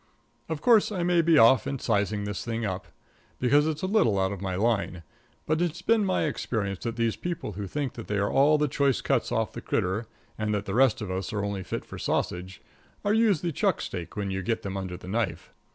Of course, I may be off in sizing this thing up, because it's a little out of my line. But it's been my experience that these people who think that they are all the choice cuts off the critter, and that the rest of us are only fit for sausage, are usually chuck steak when you get them under the knife.